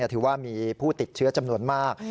ถือว่ามีผู้ติดเชื้อจำนวนมาก